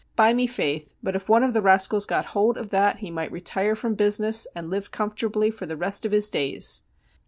By me faith, but if one of the rascals got hold of that he might retire from business, and live comfortably for the rest of his days.